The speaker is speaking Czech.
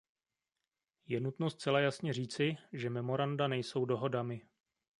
Je nutno zcela jasně říci, že memoranda nejsou dohodami.